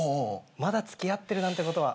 まだ付き合ってるなんてことは？